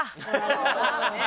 そうですよね。